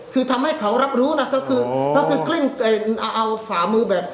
คือทำให้เขารับรู้นะก็คือก็คือกลิ้งเอาฝ่ามือแบบ